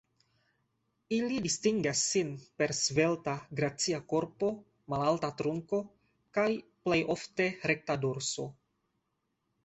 Ili distingas sin per svelta, gracia korpo, malalta trunko kaj plej ofte rekta dorso.